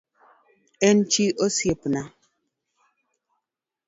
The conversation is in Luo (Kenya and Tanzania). En chi osiepna